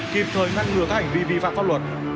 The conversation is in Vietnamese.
kịp thời ngăn ngừa các hành vi vi phạm pháp luật